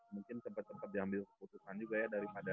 mungkin cepet cepet diambil keputusan juga ya daripada